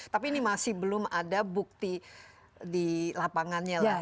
tapi ini masih belum ada bukti di lapangannya lah